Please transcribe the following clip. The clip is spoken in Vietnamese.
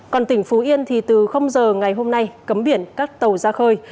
còn tỉnh phú yên thì từ giờ ngày hôm nay cấm biển các tàu ra khơi